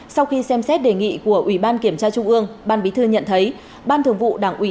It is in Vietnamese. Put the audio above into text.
sau khi xem xét đề nghị của ủy ban kiểm tra trung ương ban bí thư nhận thấy ban thường vụ đảng ủy